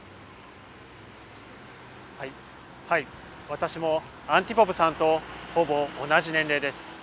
私もアンティポブさんとほぼ同じ年齢です。